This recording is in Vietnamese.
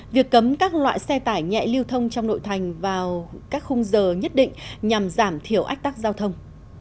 việc cấm các loại xe tải nhẹ lưu thông trong nội thành vào các khung giờ nhất định nhằm giảm thiểu ách tắc giao thông